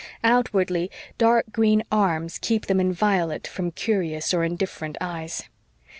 Outwardly, dark green arms keep them inviolate from curious or indifferent eyes.